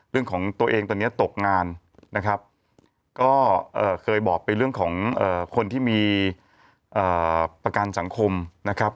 เรื่องของตัวเองตอนนี้ตกงานนะครับก็เคยบอกไปเรื่องของคนที่มีประกันสังคมนะครับ